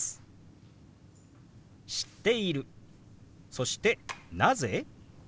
そして「なぜ？」。